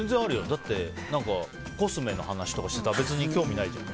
だってコスメの話してたら別に興味ないじゃん。